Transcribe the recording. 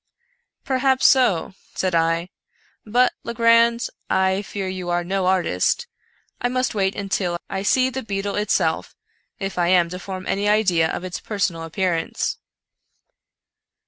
" Perhaps so," said I ;" but, Legrand, I fear you are no artist. I must wait until I see the beetle itself, if I am to form any idea of its personal appearance."